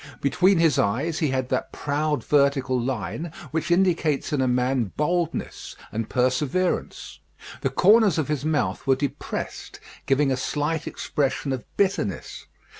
Between his eyes he had that proud vertical line which indicates in a man boldness and perseverance. The corners of his mouth were depressed, giving a slight expression of bitterness.